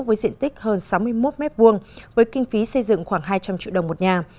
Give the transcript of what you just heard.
với diện tích hơn sáu mươi một m hai với kinh phí xây dựng khoảng hai trăm linh triệu đồng một nhà